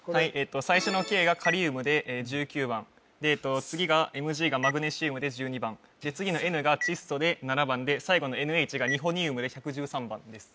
最初のＫがカリウムで１９番次がＭｇがマグネシウムで１２番次のＮが窒素で７番で最後のＮｈがニホニウムで１１３番です